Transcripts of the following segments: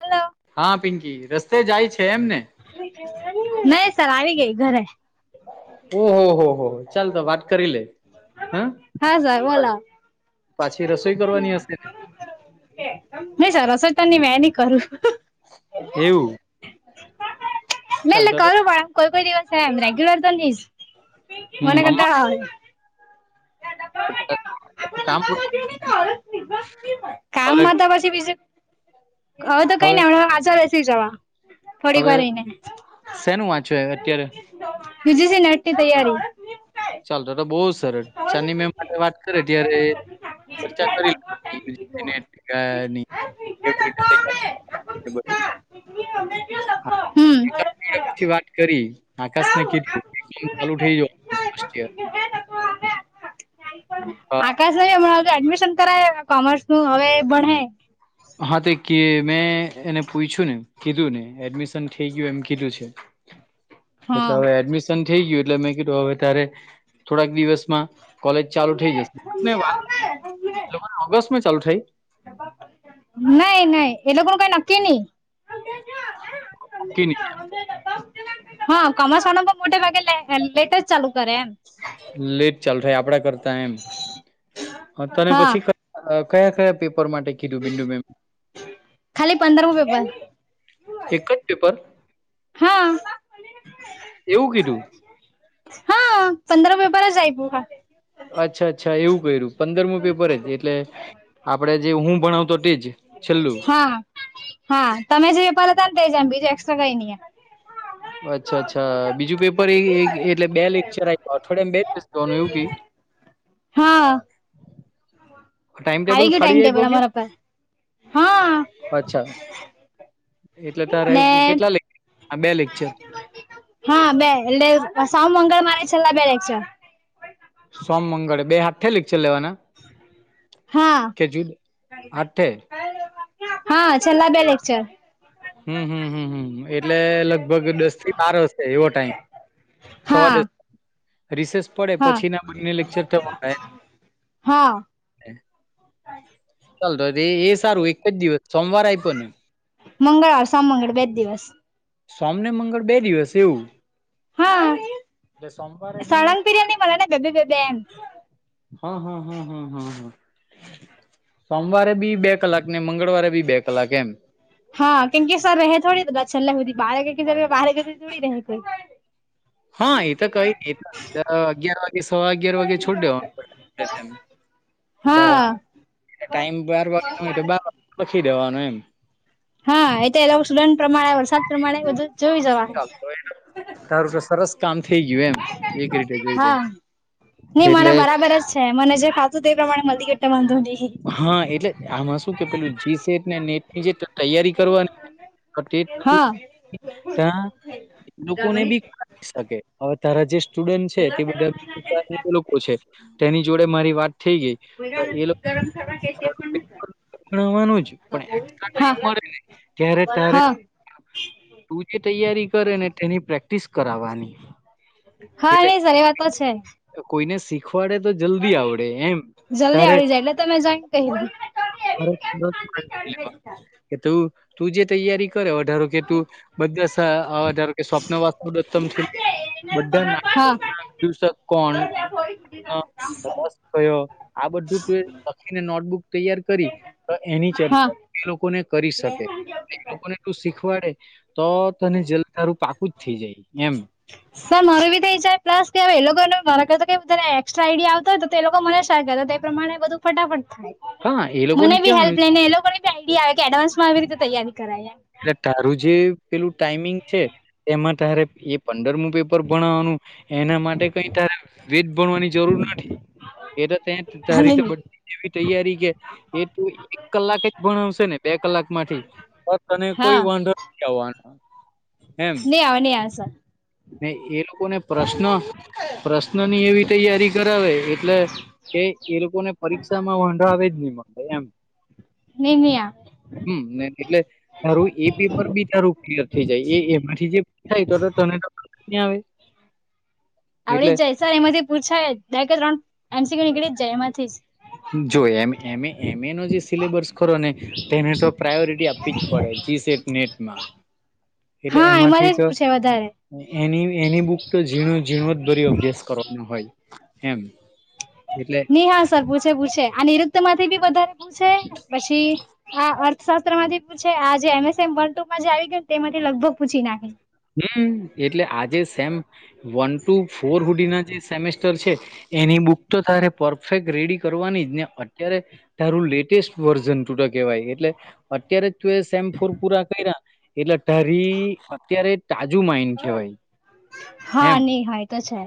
Hello હા પિંકી રસ્તે જાય છે એમને નહી સર આવી ગઈ ઘરે ઓહ હો હો ચાલતો વા. કરી હમ. હા સર બોલો પાછી રસોઈ કરવાની હશેને. નહી સરસોઈતાની મે. એવું. ચાલ મે તો કરું પણ કોઈ કોઈ દિવસ એમ રેગ્યુલર તો નહીશ. મને ઘટ મમ્મા કામ પર. કામમાં હતા પછી બીજું. હવે તો કઈ નઈ હમણા વાચા રસી જવા. થોડીક હવે વાર રહીને શેનું વાંચ્યું અ ત્યારે. બીજીસી નેટની તૈયારી. ચાલ ત તો બહુ સરસ ચાની મે માટે વાત કરે ત્યારે. ચર્ચા કરી લ એ [unintelligible] હા હમ પછી વાત કરી આકાશ ને કીધું ચાલુ થઈ ગ. મિસ ત્યા. આકાશ ન હમણાં તો એડમિશન કરાવે કોમર્સ નું હવે ભણ. હા તે મેં એને પૂછ્યું ને કીધું ને એડમિશન. થ એમ કીધું છે, એટલે હા હ એડમિશન. થઈ ગયું એટલે મેં કીધું હવે ત્યારે થોડાક દિવસ. કોલેજ ચાલુ થઈ જશે ઓગસ્ટમાં ચાલુ થઈ. નઈ નઈ એ લોકો ન કઈ નક્કી નહી. ક ન [unintelligible] હા કમસનપ મોટે ભાગે લટસ્ટ ચાલુ કરે એમ. લેટ ચાલ થ આપડા કરતા એમ તને હા પછી. કયા કયા પેપર માટે કીધું બિંદુ મેમ. ખાલી પંદરમ પેપર. એક જ પેપર હા એવું કીધું હા પંદર બર જાય બુ હા. અચ્છા અચ્છા એવું કર્યું પંદરમું પેપર જ એટલે આપડે જે હું ભણાવતો તેજ. છેેલ્લું. હા હા તમે જે વેપાર હતા ને. એકક્સ કાય નં. અચ્છા અચ્છા બીજું પેપર એટલે બે લેક્ચર અઠવાડિયામ બે જનું એવું ક. [inaudible] હા. ટાઈમ આવી ટેબલ ગયું ટાઈમ ફાડી ટેબલ જઈ અમારા પર હા કે અચ્છા. એટલે તારે એ કે ને કેટલા લેર બે લેક્ચર. હા બે એટલે સાવ મંગળ વારે છેલ્લા બે લેકચર. સોમ મંગળ બે હાથ થયેલીક છે. લેવાના? હા કે જુદ હાથે હા. હમ હમ હમ હ એટલે લગભગ દસ થી બાર હશે એવો ટાઈમ. હા સવારે. રિસેસ પડે હા પછી ના મને લેક્ચર થ. હા ચાલતો એ સારું એક જ દિવસ સોમવાર આપ્યો ને. મંગળવાર સોમ મંગળ બે દિવસ. સોમને મંગળ બે દિવસ એવું. હા એટલે સોમવારે બી સણંગ બિર્યાની મળે ને બે બે. હા હા હા હા હા હા સોમવારે બી. બે કલાક ને મંગળવારે બી બે કલાક એમ હા કેમ કે સર રહે થોડી તો બ છલ્ બાર જ બાર જોડી રહે કોઈ હા એ તો કઈ અગિયાર છવા અગિયાર વાગે છોડી દેવાનું ત્યારે હા ટાઈમ લખી દેવાનું એમ હા એ તો લોકો સુદડ પ્રમાણે વરસાદ પ્રમાણે બધું જોય ચાલ તો તારું કે સરસ કામ થઈ ગયું એમ એક રીતે જોઈ દ હા નઈ મને બરાબર જ છે મને જે ખાતું તે પ્રમાણે મધી ગટ્ટા વાંધો ન હા એટલે આમાં શું કે પેલું જી સેટ ને નેટની જે તૈયારી કરવાની તે હા ત્યાં લોકોને બી શકે, હવે તારા જે સુડ છે તેા લોકો છે તેની જોડે મારી વાત થઈ ગઈ એ ગરમ કરવાાવા કે છે પણ ણવાનું જ પણ ટ મળે ત્યારે તારે હા તું જે તૈયારી કરે ને તેની પ્રેક્ટિસ કરાવવાની હા એટલે નઈ સર એ વા તો છે ડે તો જલ્દી આવડે એમ જલ્દી તારે આવડી જાય એટલે તમે જોઈન કહી દો ખરે કે તોું તું જે તૈયારી કરે વધારો કે તું બધા સ્વપ્ન હા વાસદત્તમ થી બધા નાટ દિવ કોણ સ કયો આ બધું તું લખીને નોટબુક તૈયાર કરી તો એની હા ચર્ચા એ લોકોને કરી શકે એ લોકોને તું શીખવાડે, તો તને જલધારું પાકું જ થઇ જાય એમ સર માર બી તો ઈચ્છાય પ્લસ કે એ લોકોને મા કે તને એક્સ્ટ્ર આઈડિયા આવતો હોય તો એ લોકો મને શા કર પ્રમાણે બધું ફટાફટ હા એ થાય લોકોને મને બી કેવાનું હેલ્પ લઈને એ લોકો આઈડિયા આવે કે એડવાન્સમાં આવી રીતે તૈાર એટલે તારું જે પેલું ટાઈમિંગ છે એમાં તારે એ પંદરમ પેપર ભણવાનું એના માટે કઈ તારે વેદ ભણવાની જરૂર નથી એ તો ત્યાં એમ તારી રીતે બ નહી એવી તૈયારી કે એ તો એક કલાક જ ભણાવશે ને બે કલાક માંથી તને કોઈ વાંધો આવવાનો એમ ન આવ ન આ ને એ લોકોને પ્રશ્ન પ્રશ્નની એવી તૈયારી કરાવે એટલે કે એ લોકો ને પરીક્ષા માં વંરાવે જ નહી મળે એમ નિનીિયા હમ એટલે તારું એ પેપર બી તારું ક્લિયર થઈ જાય એ એમાંથી જે થાય તો તને કં આવે આવડી એટલે જાય સર એમાંથી પૂછાય બે કે ત્રણ એમસીક્યુ નીકળી જ જાય એમાંથી જો એમ એમ એ એમ એ નો જે સિલેબસ ખો ને તેને તો પ્રાયોરિટી આપવી જ પડે જી સટ નેટમાં એટલે હા એમાંથી જ તો પૂછે વધારે એની એની બુક તો ઝીણું ઝીણો જ ભર અભ્યાસ કરવાનો હોય એમ એટલે ની હા સર પૂછે પૂછે આઋક્ત માંથી બી વધારે પૂછે પછી આ અર્થશાસ્ત્ર માંથી પૂ છે આ જે એમએસ એમ વન ટુ જ આવી કે તેમાંથી લગભગ પૂછી નાખી હમ એટલે આજે સેમ વન ટુ ફોર હુડીના જે સેમેસ્ટર છે એની બુક તો તારે પરફેક્ટ રેડી કરવાની જ ને અત્યારે તારું લેટેસ્ટ વર્ઝન તૂટ કેહેવાય એટલે અત્યારે, એ સેમ્ફોર પૂરા કર્યા એટલે ટરી અત્યારે તાજું માઇન ખહેવાય હા એમ નહી હોય તો છે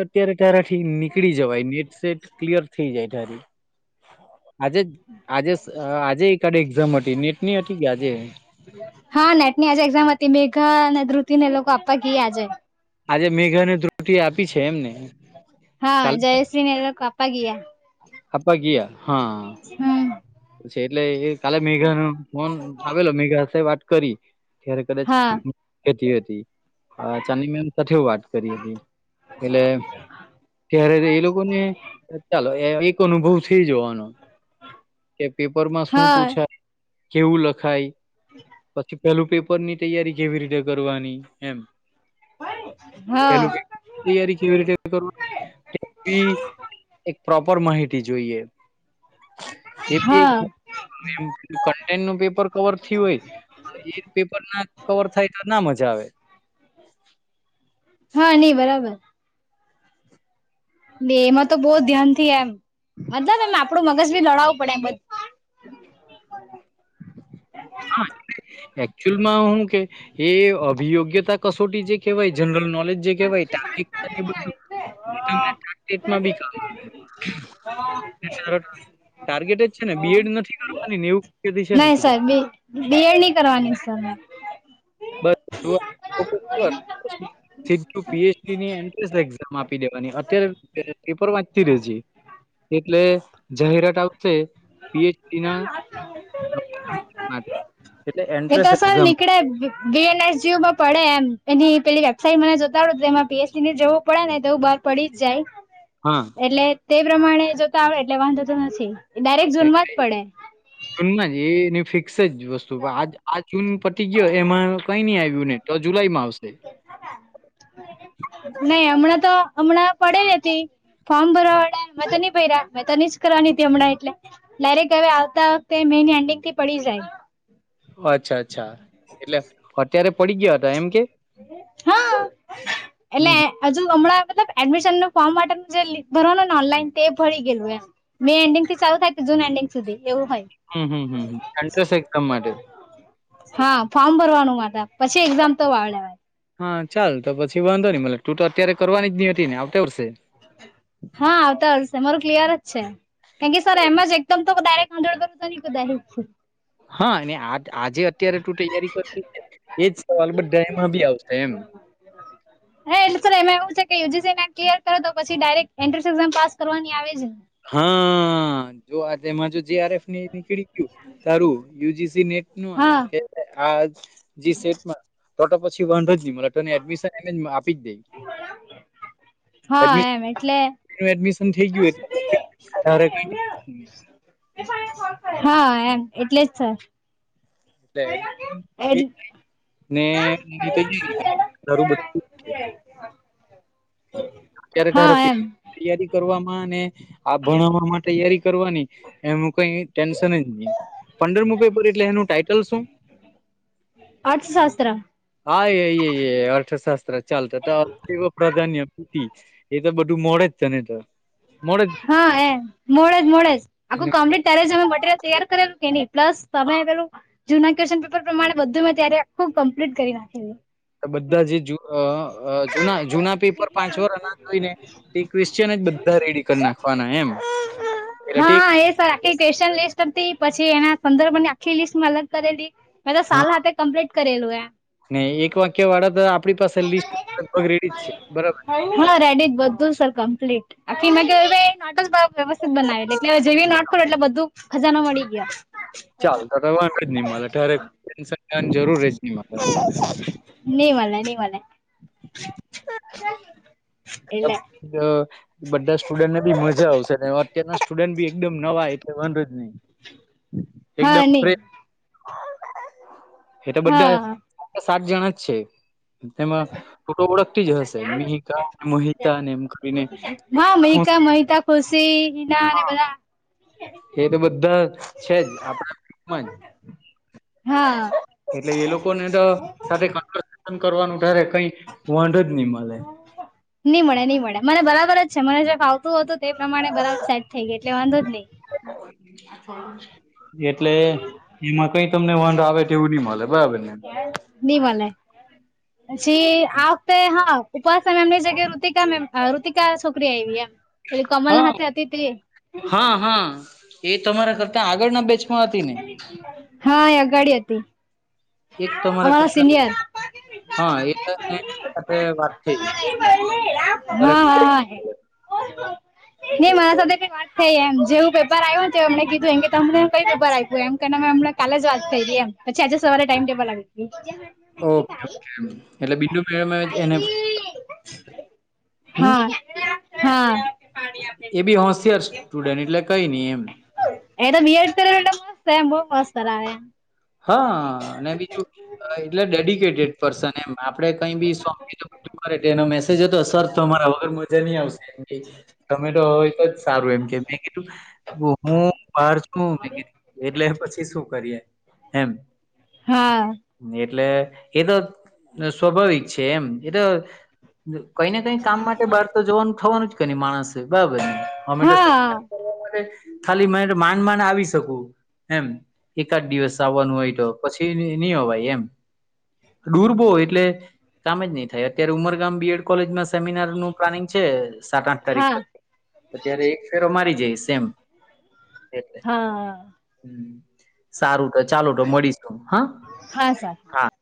અત્યારે તારા ઠ નીકળી જવાયને સટ ક્લીયર થઈ જાય એટારી આજે આજે આજે એક કાડ એક્ઝામ હતી નેટની હતી કે આજે હા નેટ ની આજે એક્ઝામ મેઘા અને ધુતિ ને લોકો આપવા ક આજે આજે મેઘાને ત્રુટી આપી છે એમને. હા જયશ્રીની પાપા ગીયા હાપ ગયા હા. હમ છે એટલે એ કાલે મેઘા નો ફોન આવેલો મેઘા વાત કરી. ઠેર હા કરતી હતી ચાની મેમ સાથે વાત કરી હતી. એટલે ત્યારે એ લોકોને ચાલો. અનુભવ થઈ જોવાનો. કે પેપર માં શું હા પૂછાય કેવું લખાય પછી. પેલું પેપરની તૈયારી કેવી રીતે કરવાની એમ હા તૈયારી કેવી રીતે કર એક માહિતી જોઈએ એી એક. હા એમ કન્ટેન્ટ નું પેપર કવર થય હોય એ પેપર ના કવર થાય તો ના મ જ જાવે. હા નઈ બરાબર. બે એમાં તો બહુ ધ્યાનથી એમ. મતલબ એમ આપડું મગજ બી લડાવવું પડે એમ બધ [inaudible] એકચુઅલમાં હું કે એ અભિયોગ્યતા કશ છોટી જે કહેવાય જનરલ નોલેજ જે કહેવાય તાર્િક બું તેટમાં બી કામ આવે ટાર્ગેટ જ છે ને બીએડ નથી કરવાની નેવ નહી સર બ બીએડ નહી કરવાની સર મે બસ [unintelligible] સીધું પીએચડી ની એન્ટ્રસ એક્ઝામ આપી દેવાની અત્યારે પેપર વાંચતી ર એટલે જાહેરાત આવશે પીએચડી ના હ [unintelligible] એ તોસલ નીકડ બી એનએસ જયુ માં પડે એમ એની પેલી વેબસાાઈટ મને જોતા આવડ એમાં પીએચડી ને જવું પડે ને તોવું બ પડી જ જાય હા, એટલે તે પ્રમાણે જોતા આવે એટલે વાંધો તો નથી. તો એ ડાયરેક્ટ ૂનવા કઈ જ પડે જૂનમાં જ એ એની ફિક્સ વસ્તુ આૂન ગયો એમાં કઈ નઈ આવ્યું ને તો જુલાઈમાં આવશે. નહી હમણાં તો હમણાં પડે ન હતી. ફોર્મ ભરવા વાળ્યા મેં તો નહ પ્યા મેં તો નઈ જ કરવાની હમણાં એટલે ડાયરેક્ટ હવે આવતા વખતે નીંડક થી પડી જાય. અચ્છા અચ્છા એટલે અત્યારે પડી ગયા હતા એમ કે હા એટલે હમ આજ અમળ મલબ એડમિશન ન ફોર્મ માટે જે ભરવાનું ને ઓનલાઈન તે ભરી ગયેલું એ મે એન્ડિંગ થી ચાલુ થાય. જૂન એન્િંગ સુધી. એવુંય હમ હમ હમ હમ. એન્ટ્રન્સ એક્ઝામ માટે હા ફોર્મ ભરવાનું. પછી એક્ઝામ તો વાળ્યા હા ચાલ તો પછી વાંધો ન મ તું તો અત્યારે કરવાની જ ન હતી ને આવતા વર્ષે. રું ક્લિયર જ છે થેન્ક યુ સર એમ જ એકમક કર તો હા અને આ [unintelligible] આજે અત્યારે તું તૈયારી કરવી છે એજ સવાલ બ ડેમાં બી આવશે એમ‌ હા એટલે એમાં એવું છે કે યુજીસી ના ક્લયર કરે તો પછી ડાયરેક એન્ટ્રન્સ એક્ઝામ પાસ કરવાની આવે જ ને હા જો આ. જેમાં જો જીઆર એફ ની નીકળી ગયું તારું યુજીસી નેટ નું હા આ જી સેટમાં ટોટ પછી વ મ હા એમ એટલે એડમિશન [unintelligible] ગયું [unintelligible] હા એમ એટલે જ છે. એટલે ઠીક ને મ તૈયારી [unintelligible] અત્યારે તાર હા એમ તૈયારી કરવામાં અને આ ભણાવવા માટે તૈયારી કરવાની એનું કઈ ટેન્શન જ નહી પંદરમું પેપર એટલે એનું ટાઈટલ શું? અર્થશાસ્ત્ર. હા એ-અર્થશાસ્ત્ર ચાલતા તો અવ પ્રાધાન્ય એ તો બધું મોડે જ છે. તને તો. મોડે જ હા એ મોડેજ મોડેજ અને આખું કમ્પ્લીટ ત્યારે જ અમે મટીરિયલ તૈયાર કરેલું કે ન પ્લસ તમે પેલું જૂના ક્વેશ્ચન પેપર પ્રમાણે બધું મેં ત્યારે ખબ કમ્પ્લીટ કરી નાખેું. બધા જે જ જૂના પેપર પાંચવા અનાજ જોઈ ને તે ક્રવિશ્ચન બધા રેડી કરી નાખવાના એમ એટલે ઠીક હા એ સર આખી ક્વન લિસ્ટ પછી એના સંદર્ભ ની આખી લીસ્ટમાં અલગ કરેલી મેં તો સાલ હાથે કમ્પ્લીટ કરેલું એમ. નહી એક વાક્ય વાળા તો આપણી પાસે લિસ્ટ લગભગ રેડી જ છે બરાબર. બધું સર કંપ એ ના કે નાટક જ વ્યવસ્થિત બનાવેટ એટલે હ જેવી નાટકો એટલે બધું ખજાનો મળી ગયા. ચાલતા તો વાંધ જ ન ઠરેક ટેન્શન જરૂર. મળે નવા નવા. [unintelligible] એટલે બધા સ્ટુડન્ટને બી મજા આવશે. અતના સ્ટુડન્ટ બી એકમ નવા એટલે વનરજ નહી હા એકદમ. ની એ તો બધા હા. સાત જણા જ છે. એમાં ઓળખતી જ હશે મિહિકા મોહતા ને એમ કરીને. હા મહિકા મહિતા ખુશી હિના અને બધા હ એ તો બધા છે જ આપડામાં હા જ એટલે એ લોકોને તો. સાથે કન કરવાનું તારે કઈ વડ જ નહી મળે. નઈ મળે નહી મળે મને બરાબર જ છે મને જે ફ આવતું હો હતું. તે પ્રમાણે બરાબર સેટ થઈ ગઈ એટલે વાંધો જ નહી. એટલે એમાં કઈ તમને વંધ આવે તો એવું નઈ મળે બરાબર ને નિમલ પછી આવતે હા. ઉપાસના એમની જગ્યા રુતિકા રુતિકા છોકરી આવી એમ એ હા કમલના હથે અતીથી હા હા એ તમારા કરતા આગળ ના બેચ હા એ અગાડી હતી. એકરા અમારા કરતા સિનિયર હા એ વાત થઈ. [inaudible] હા હા હા નહી મારા સાથે કઈ વાત થઈ એમ. જેવું પેપર આવ્યું હોને તો એમ કીધું એ કે તમને કઈ પપર આપ્યું એમ કેને અમને કલે જ વા કરી એમ પછી ઓકે ઓકે એટલે બિલ્લુ મેડમે આજે એને [unintelligible] હમ હા. હા. એ બી હોશિયાર સ્ટુડન્ટ એટલે કઈ નઈ એમ. એટા બીએડ મસ્ત એ બહુ મસ્ત. હા મ આપે કઈી સ્મ જતો સર તમારા વગર મજા નહી આવશે એમ કે ટમેટો હોય બ સારું એમ કે મેી હું બાર છું મેી એટલે પછી શું કરીએ હેમ હા એટલે એ તો સ્વાભાવિક છે એમ એ તો કઈ ને કઈ કામ માટે બહાર તો જવાનું થવાનું જ કે ન માણસ બરાબર અમે હા કરવા માટે ખાલી મને માન માન આવી શકું એમ એકાદ દિવસ વાનું હોય તો પછી નહી હો ભાઈ એમ ડૂરબો એટલે કામ જ નહી થાય અત્યારે ઉમરગામ બીએડ કોલેજમાં સેમિનાર નું પ્લાનિંગ છે સાત આઠ તારીખ હા પછી અત્યારે એક ફેરો મારી જાય સેમ એલે હા સારું તો ચાલુ તો મળીશું હા હા સર હા